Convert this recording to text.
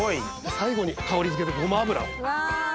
最後に香りづけでゴマ油を。